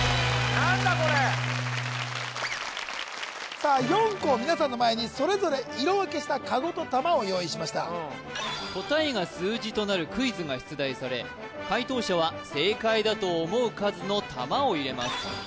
さあ４校皆さんの前にそれぞれ色分けしたカゴと玉を用意しました答えが数字となるクイズが出題され解答者は正解だと思う数の玉を入れます